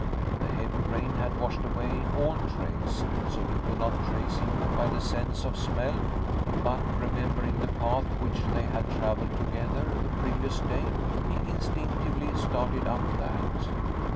The heavy rain had washed away all trails, so he could not trace him by the sense of smell; but remembering the path which they had travelled together the previous day, he instinctively started up that.